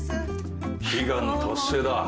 悲願達成だ。